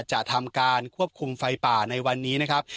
จะทำการควบคุมไฟป่าในวันนี้นะครับ